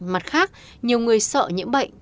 mặt khác nhiều người sợ nhiễm bệnh